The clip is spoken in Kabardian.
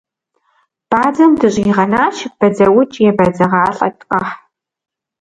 Бадзэм дыщӏигъэнащ, бадзэукӏ е бадзэгъалӏэ къэхь.